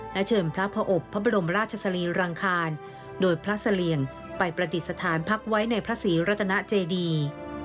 และเชิญพระอบพระบรมราชสรีรังคารโดยพระเสลี่ยงไปประดิษฐานพักไว้ในพระศรีรัตนาเจดี